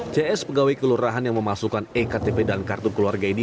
cs pegawai kelurahan yang memasukkan ektp dan kartu keluarga ini